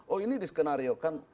oh ini diskenariokan